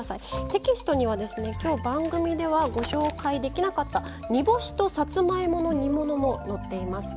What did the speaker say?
テキストにはですね今日番組ではご紹介できなかった煮干しとさつまいもの煮物も載っています。